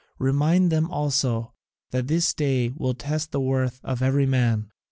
Remind them also that this day will test the worth of every man.